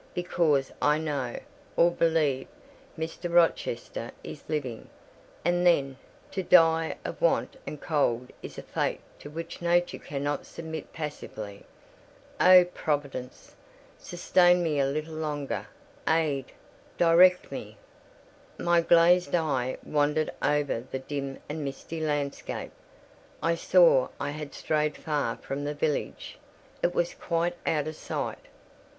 Because I know, or believe, Mr. Rochester is living: and then, to die of want and cold is a fate to which nature cannot submit passively. Oh, Providence! sustain me a little longer! Aid!—direct me!" My glazed eye wandered over the dim and misty landscape. I saw I had strayed far from the village: it was quite out of sight.